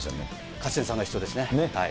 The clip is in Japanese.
勝ち点３が必要ですね。